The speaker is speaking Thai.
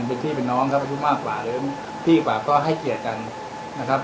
เป็นพี่เป็นน้องครับพี่มากกว่าเพราะฉะนั้นพี่อีกกว่าก็ให้เกลียดกันนะครับ